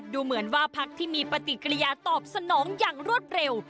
ดูเหมือนว่าพักที่มีปฏิกิริยาตอบสนองอย่างรวดเร็ว